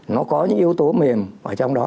nó có những yếu tố mềm ở trong đó